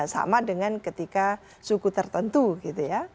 sama dengan ketika suku tertentu gitu ya